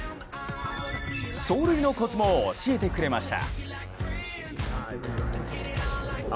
走塁のコツも教えてくれました。